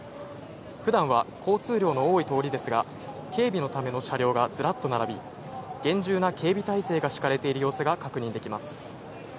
普段は交通量の多い通りですが、警備のための車両がずらっと並び、厳重な警備態勢が敷かれている様子が確認できます。